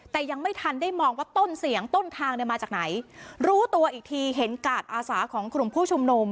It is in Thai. แต่ยังไม่ทันได้มองว่าต้นเสียงต้นทางเนี่ยมาจากไหนรู้ตัวอีกทีเห็นกาดอาสาของกลุ่มผู้ชุมนุม